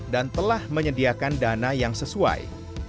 dan telah menyediakan dana yang sesuai